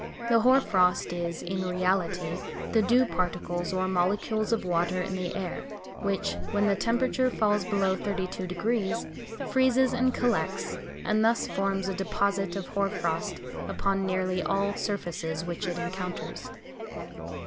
The hoar frost is in reality the dew particles or molecules of water in the air, which, when the temperature falls below 32°, freezes and collects, and thus forms a deposit of hoar frost upon nearly all surfaces which it encounters.